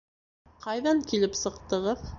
Ҡайҙан килеп сыҡтығыҙ?